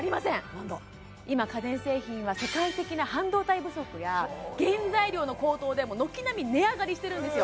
何だ今家電製品は世界的な半導体不足や原材料の高騰でそうよ軒並み値上がりしてるんですよ